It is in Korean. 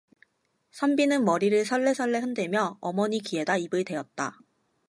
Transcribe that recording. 선비는 머리를 설레설레 흔들며 어머니 귀에다 입을 대었다.